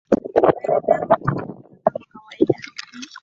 yanaendelea kutiririka kama kawaida